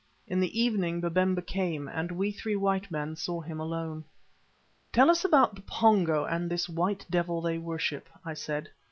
In the evening Babemba came, and we three white men saw him alone. "Tell us about the Pongo and this white devil they worship," I said.